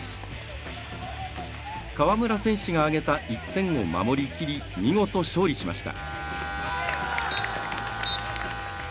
川村選手が挙げた１点を守りきり見事、勝利しました。